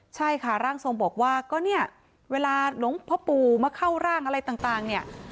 ใช่ค่ะร่างทรงบอกว่าเวลาหลงพ่อปู่มาเข้าร่างอะไรต่าง